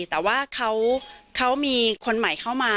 แต่ว่าเขามีคนใหม่เข้ามา